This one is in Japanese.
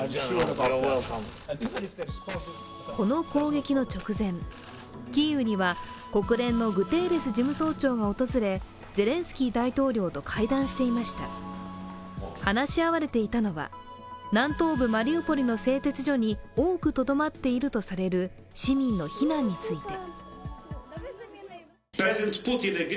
この攻撃の直前、キーウには国連のグテーレス事務総長が訪れ、話し合われていたのは南東部マリウポリの製鉄所に多くとどまっているとされる市民の避難について。